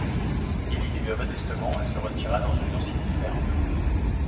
Il y vivait modestement et se retira dans une ancienne ferme.